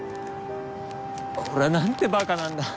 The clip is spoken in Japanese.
俺はなんてバカなんだ。